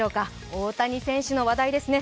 大谷選手の話題ですね。